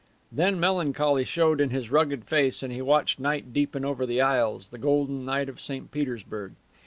Then melancholy showed in his rugged face, and he watched night deepen over the isles, the golden night of St. Petersburg.